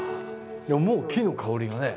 もう木の香りがね。